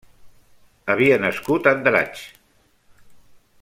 Havia nascut a Andratx.